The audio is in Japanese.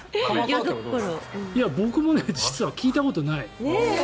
僕も実は聞いたことない。